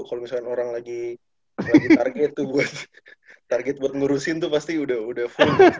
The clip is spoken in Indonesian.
kalau misalkan orang lagi target buat ngurusin tuh pasti udah full